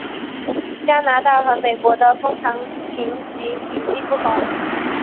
加拿大和美国的枫糖评级体系不同。